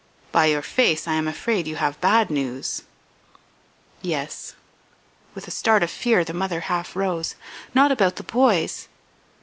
"By your face I am afraid you have bad news." "Yes." With a start of fear the mother half rose. "Not about the boys?"